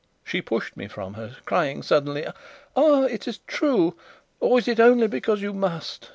She pushed me from her, crying suddenly: "Ah! is it true? or is it only because you must?"